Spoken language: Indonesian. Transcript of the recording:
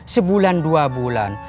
sebulan dua bulan